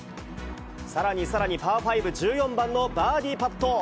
さらにさらにパー５、１４番のバーディーパット。